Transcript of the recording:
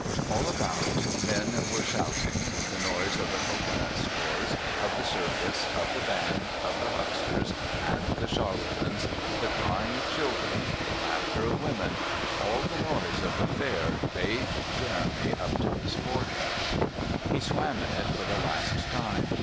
All about men were shouting; the noise of the coconut stores, of the circus, of the band, of the hucksters and the charlatans, the crying of children, the laughter of women all the noise of the Fair bathed Jeremy up to his forehead. He swam in it for the last time.